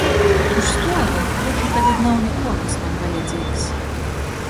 Kur stuovu, nu preču tagad nav nikuo, kas maņ vajadzeigs.